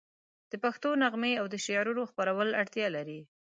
د پښتو نغمې او د شعرونو خپرول اړتیا لري.